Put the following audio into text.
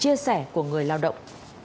chia sẻ của người lao động